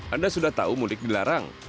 anda sudah tahu mudik dilarang